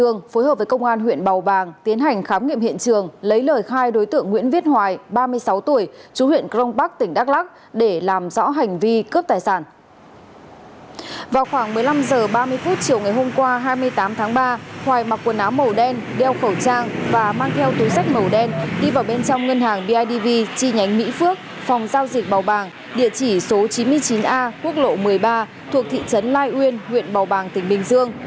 ngân hàng bidv chi nhánh mỹ phước phòng giao dịch bảo bàng địa chỉ số chín mươi chín a quốc lộ một mươi ba thuộc thị trấn lai uyên huyện bảo bàng tỉnh bình dương